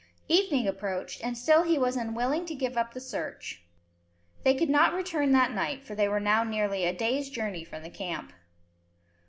Evening approached, and still was he unwilling to give up the search. They could not return that night, for they were now nearly a day's journey from the camp.